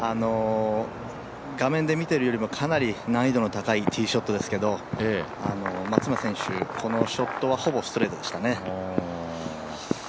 画面で見てるよりもかなり難易度の高いティーショットでしたけど松山選手、このショットはほぼストレートでしたね。